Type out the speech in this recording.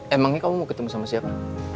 emangnya kamu mau ketemu sama siapa